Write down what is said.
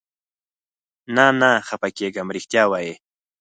نه، نه خفه کېږم، رښتیا وایې؟